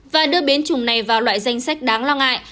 và đưa biến chủng này vào loại danh sách đáng lo ngại